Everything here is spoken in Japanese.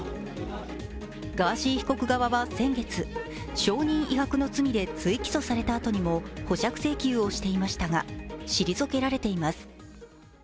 ガーシー被告側は先月、証人威迫の罪で追起訴されたあとにも保釈請求をしていましたが退けられています。